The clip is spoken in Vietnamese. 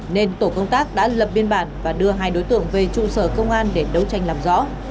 nên tổ công tác đã lập biên bản và đưa hai đối tượng về trụ sở công an để đấu tranh làm rõ